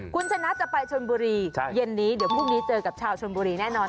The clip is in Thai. คุณชนะจะไปชนบุรีเย็นนี้เดี๋ยวพรุ่งนี้เจอกับชาวชนบุรีแน่นอน